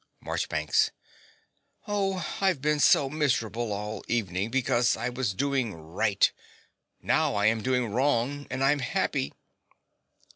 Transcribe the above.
MARCHBANKS. Oh, I've been so miserable all the evening, because I was doing right. Now I'm doing wrong; and I'm happy.